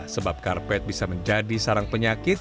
sebab karpet bisa menjadi sarang penyakit